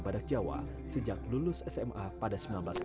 badak jawa sejak lulus sma pada seribu sembilan ratus enam puluh